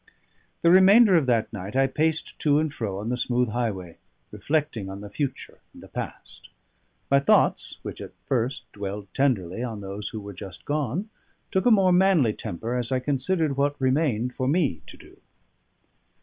The remainder of that night I paced to and fro on the smooth highway, reflecting on the future and the past. My thoughts, which at first dwelled tenderly on those who were just gone, took a more manly temper as I considered what remained for me to do.